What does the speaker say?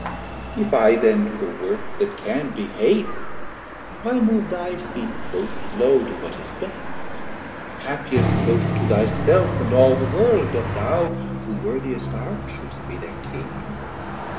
If I then to the worst that can be hast, Why move thy feet so slow to what is best, Happiest both to thy self and all the world, That thou who worthiest art should'st be thir King?